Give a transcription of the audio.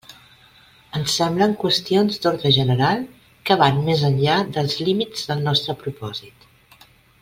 Ens semblen qüestions d'ordre general que van més enllà dels límits del nostre propòsit.